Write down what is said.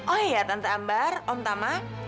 oh iya tansa ambar om tama